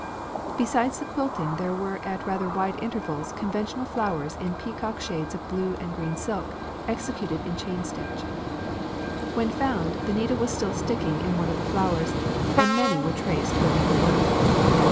Besides the quilting there were at rather wide intervals conventional flowers in peacock shades of blue and green silk executed in chain stitch. When found, the needle was still sticking in one of the flowers, and many were traced ready for work.